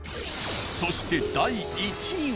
そして第１位は。